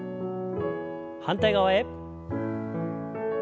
反対側へ。